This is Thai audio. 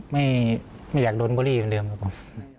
ไม่อยากโดนบุหรี่เหมือนเดิมครับผม